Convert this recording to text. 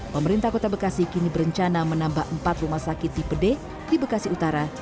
pemerintah kota bekasi kini berencana menambah empat rumah sakit tipe d di bekasi utara